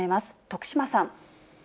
徳島さん。